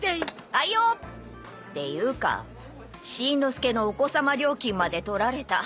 あいよ！っていうかしんのすけのお子様料金まで取られた。